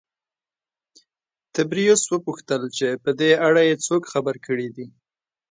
تبریوس وپوښتل چې په دې اړه یې څوک خبر کړي دي